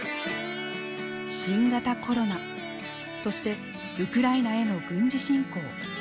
新型コロナそしてウクライナへの軍事侵攻。